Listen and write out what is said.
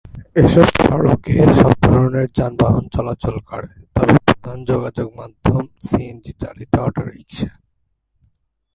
এসব সড়কে সব ধরনের যানবাহন চলাচল করে, তবে প্রধান যোগাযোগ মাধ্যম সিএনজি চালিত অটোরিক্সা।